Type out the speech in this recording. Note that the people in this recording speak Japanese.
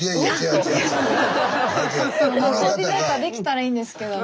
コーディネーターできたらいいんですけどね。